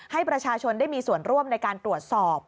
ให้ประชาชนได้มีส่วนร่วมในการตรวจสอบ